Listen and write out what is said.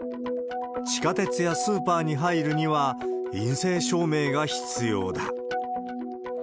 地下鉄やスーパーに入るには陰性証明が必要だ。